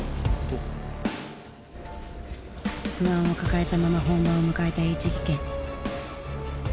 不安を抱えたまま本番を迎えたＨ技研。